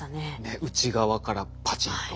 ねっ内側からパチンと。